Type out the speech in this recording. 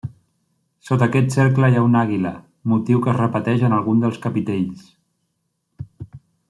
Sota aquest cercle hi ha una àguila, motiu que es repeteix en algun dels capitells.